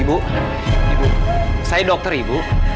ibu saya dokter ibu